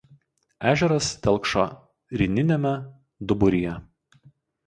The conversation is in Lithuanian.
Ežeras telkšo rininiame duburyje.